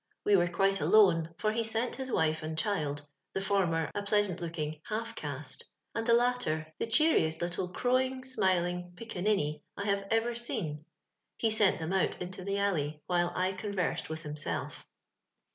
We were quite alone, for he sent his wife and child — the former a pleasant looking »* half caste," and Uie latter the cheeriest little crowing, smiling "picca ninny" I have ever seen — he sent them out into the alley, while I conversed with himself.